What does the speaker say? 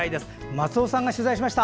松尾さんが取材しました。